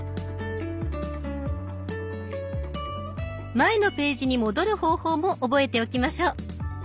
前のページに戻る方法も覚えておきましょう。